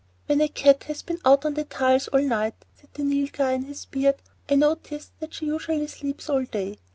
"When a cat has been out on the tiles all night," said the Nilghai, in his beard, "I notice that she usually sleeps all day.